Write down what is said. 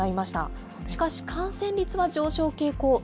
しかし、感染率は上昇傾向。